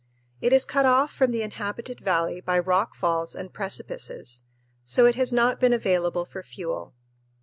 It is cut off from the inhabited valley by rock falls and precipices, so it has not been available for fuel.